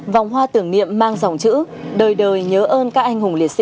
vòng hoa tưởng niệm mang dòng chữ đời đời nhớ ơn các anh hùng liệt sĩ